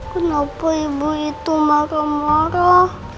kenapa ibu itu marah marah